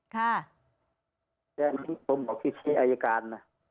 แต่อันนี้ผมบอกที่อายการ